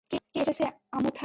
কে এসেছে, আমুথা?